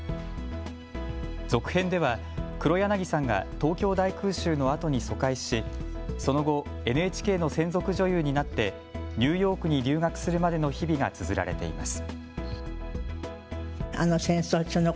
続編では黒柳さんが東京大空襲のあとに疎開しその後、ＮＨＫの専属女優になってニューヨークに留学するまでの日々がつづられています。